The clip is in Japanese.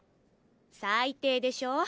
最低でしょ？